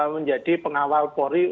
menjadi pengawal pori